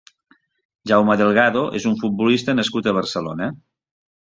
Jaume Delgado és un futbolista nascut a Barcelona.